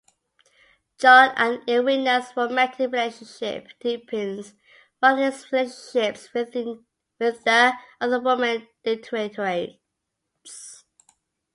John and Edwina's romantic relationship deepens, while his relationships with the other women deteriorates.